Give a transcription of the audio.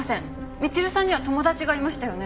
みちるさんには友達がいましたよね？